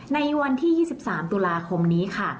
ในวันที่๒๓ตุลาคมนี้ค่ะ